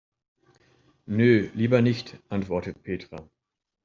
Nö, lieber nicht, antwortet Petra.